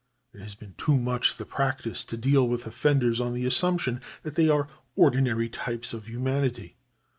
It has been too much the practice to deal with offenders on the assumption that they are ordinary types of humanity.